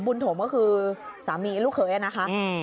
บุนโถมก็คือสามีลูกเขยน่ะค่ะ